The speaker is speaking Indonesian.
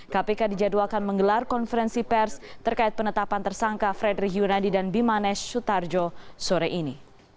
kpk dijadwalkan menggelar konferensi pers terkait penetapan tersangka frederick yunadi dan bimanesh sutarjo sore ini